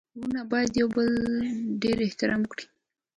ورونه باید يو د بل ډير احترام ولري.